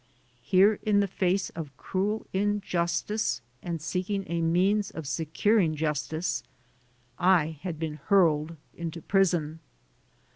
Here in the face of cruel injustice and seeking a means of securing justice, I had been hurled into prison.